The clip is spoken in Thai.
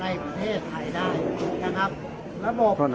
อันนี้คือ๑จานที่คุณคุณค่อยอยู่ด้านข้างข้างนั้น